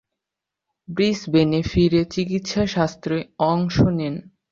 ব্রিসবেনে ফিরে চিকিৎসাশাস্ত্রে অংশ নেন।